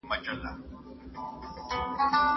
موږ باید د ژوند د امید کچه په خپلو هلو ځلو لوړه کړو.